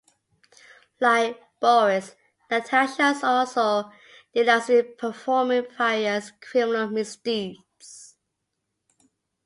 Like Boris, Natasha also delights in performing various criminal misdeeds.